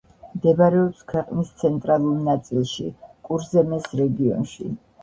მდებარეობს ქვეყნის ცენტრალურ ნაწილში, კურზემეს რეგიონში.